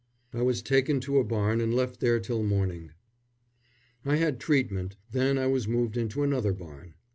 I was taken to a barn and left there till morning. I had treatment, then I was moved into another barn.